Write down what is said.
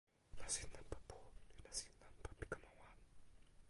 nasin nanpa pu li nasin nanpa pi kama wan.